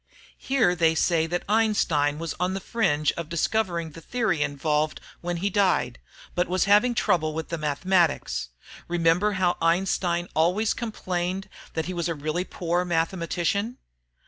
(Here they say that Einstein was on the fringe of discovering the theory involved when he died, but was having trouble with the mathematics. Remember how Einstein always complained that he was really a poor mathematician?)